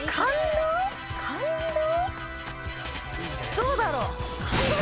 どうだろう？